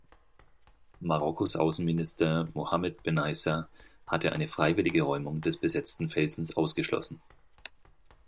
Marokkos Außenminister Mohammed Benaissa hatte eine freiwillige Räumung des besetzten Felsens ausgeschlossen.